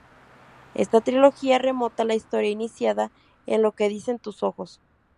Esta trilogía retoma la historia iniciada en "Lo que dicen tus ojos"-.